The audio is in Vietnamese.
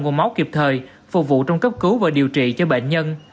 nguồn máu kịp thời phục vụ trong cấp cứu và điều trị cho bệnh nhân